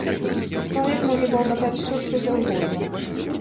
Чалавек можа балбатаць усё што заўгодна.